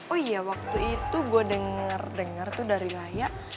oh iya waktu itu gue denger denger tuh dari raya